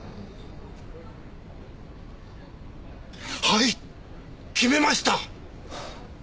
はい決めました！